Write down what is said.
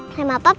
udah jagain aku